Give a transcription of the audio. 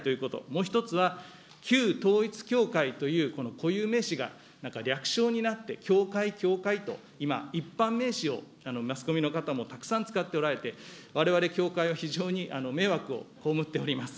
もう１つは、旧統一教会という固有名詞がなんか略称になって、教会、教会と今、一般名詞をマスコミの方もたくさん使っておられて、われわれ教会は非常に迷惑を被っております。